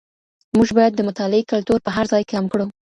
موږ بايد د مطالعې کلتور په هر ځای کي عام کړو.